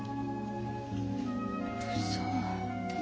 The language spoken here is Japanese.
うそ。